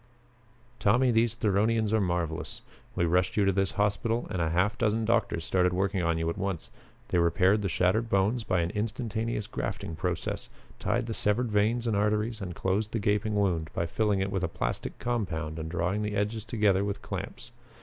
"Tommy, these Theronians are marvelous. We rushed you to this hospital and a half dozen doctors started working on you at once. They repaired the shattered bones by an instantaneous grafting process, tied the severed veins and arteries and closed the gaping wound by filling it with a plastic compound and drawing the edges together with clamps.